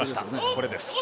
これです。